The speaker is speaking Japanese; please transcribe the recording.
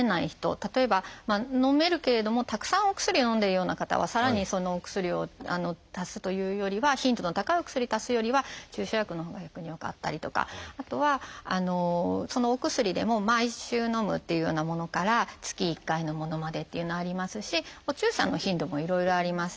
例えばのめるけれどもたくさんお薬をのんでいるような方はさらにお薬を足すというよりは頻度の高いお薬足すよりは注射薬のほうが逆に良かったりとかあとはお薬でも毎週のむっていうようなものから月１回のものまでっていうのありますしお注射の頻度もいろいろあります。